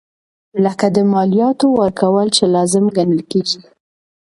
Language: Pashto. لکه د مالیاتو ورکول چې لازم ګڼل کیږي.